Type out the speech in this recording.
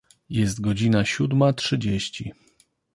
Jest godzina siódma trzydzieści.